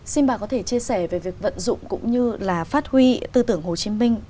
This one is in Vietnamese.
xin bà có thể chia sẻ về việc vận dụng cũng như là phát huy tư tưởng hồ chí minh